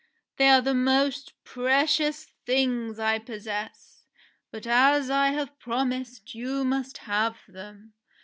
"They are the most precious things I possess, but as I have promised, you must have them.